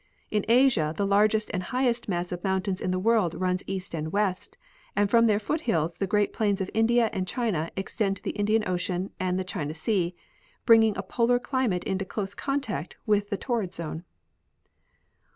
In Asia the largest and highest mass of mountains in the world runs east and Avest, and from their foot hills the great plains of India and China extend to the Indian ocean and the China sea, bringing a polar climate into close contact with the torrid zone.